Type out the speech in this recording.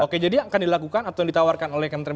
oke jadi akan dilakukan atau ditawarkan